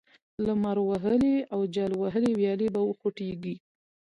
لمر وهلې او جل وهلې ويالې به وخوټېږي،